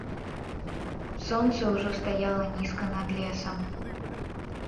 Сонца ўжо стаяла нізка над лесам.